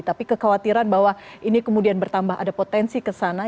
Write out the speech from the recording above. tapi kekhawatiran bahwa ini kemudian bertambah ada potensi kesana